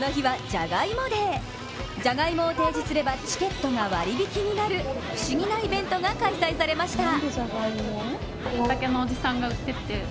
じゃがいもを提示すればチケットが割引きになる不思議なイベントが開催されました。